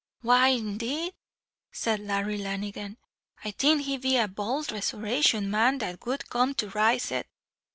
"Why indeed," said Larry Lanigan, "I think he'd be a bowld resurrection man that would come to rise it."